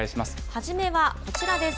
初めはこちらです。